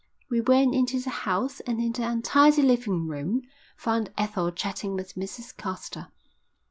We went into the house and in the untidy living room found Ethel chatting with Mrs Caster.